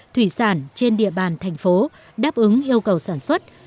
thủy sản trên địa bàn thành phố đáp ứng yêu cầu sản xuất